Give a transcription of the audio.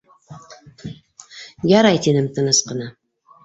- Ярай, - тинем тыныс ҡына.